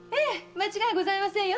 間違いございませんよ